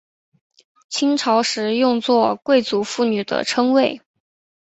清朝时用作贵族妇女的称谓。